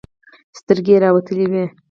سترگې يې راوتلې وې.